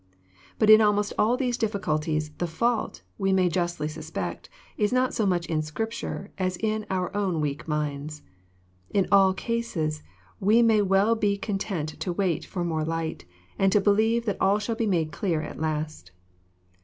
But in almost all these difficulties, the fault, we may Justly suspect, is not so much in Scripture as in our own weak minds. In all cases we may well be content to wait for more light, and to believe that all shall be made clear at last.